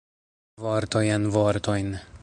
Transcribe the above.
Vortoj en vortojn.